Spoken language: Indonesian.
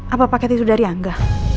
apa paket itu dari angga